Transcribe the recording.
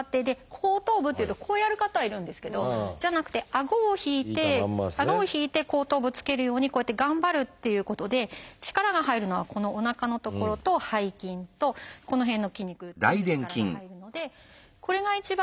後頭部っていうとこうやる方がいるんですけどじゃなくて顎を引いて顎を引いて後頭部つけるようにこうやって頑張るっていうことで力が入るのはこのおなかの所と背筋とこの辺の筋肉全部力が入るのでこれが一番